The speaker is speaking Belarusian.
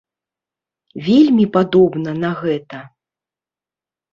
Вельмі падобна на гэта.